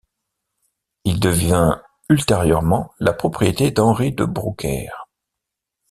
Il devint ultérieurement la propriété d’Henri de Brouckère.